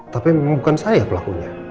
tapi bukan saya pelakunya